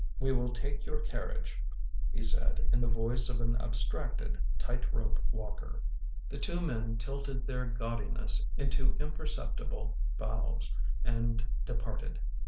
"We will take your carriage," he said in the voice of an abstracted tight rope walker. The two men tilted their gaudiness into imperceptible bows and departed.